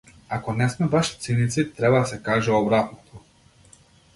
Ако не сме баш циници, треба да се каже обратното.